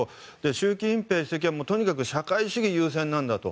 習近平主席はとにかく社会主義優先なんだと。